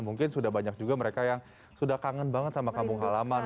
mungkin sudah banyak juga mereka yang sudah kangen banget sama kampung halaman